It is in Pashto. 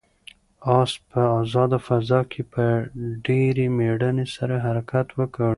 آس په آزاده فضا کې په ډېرې مېړانې سره حرکت وکړ.